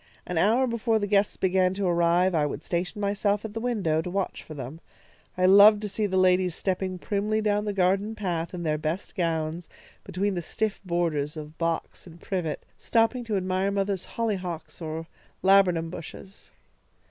An hour before the guests began to arrive I would station myself at the window, to watch for them. I loved to see the ladies stepping primly down the garden path in their best gowns, between the stiff borders of box and privet, stopping to admire mother's hollyhocks or laburnum bushes.